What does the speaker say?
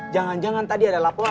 jangan jangan tadi ada laporan